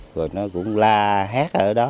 rồi nó cũng la hét ở đó